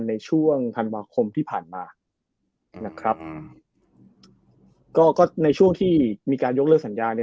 ในช่วงธันวาคมที่ผ่านมานะครับอืมก็ก็ในช่วงที่มีการยกเลิกสัญญาเนี่ย